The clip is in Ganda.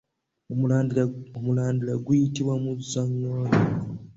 Omulandira guyitibwa muzzanganda.